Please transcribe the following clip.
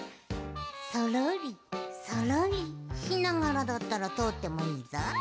そろりそろりしながらだったらとおってもいいぞ。